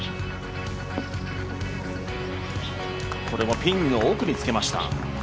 これもピンの奥につけました。